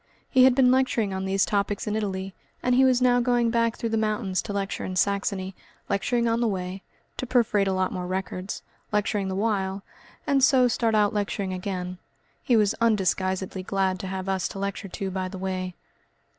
He had been lecturing on these topics in Italy, and he was now going back through the mountains to lecture in Saxony, lecturing on the way, to perforate a lot more records, lecturing the while, and so start out lecturing again. He was undisguisedly glad to have us to lecture to by the way.